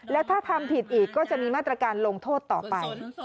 แล้วถ้าทำผิดอีกก็จะมีมาตรการลงโทษต่อไป